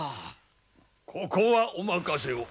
ここはお任せを！